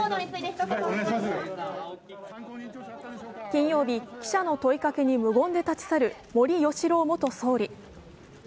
金曜日、記者の問いかけに無言で立ち去る森喜朗元総理。